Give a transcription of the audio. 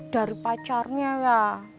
dari pacarnya ya